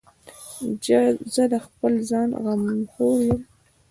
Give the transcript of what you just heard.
زه د خپل ځان غمخور یم.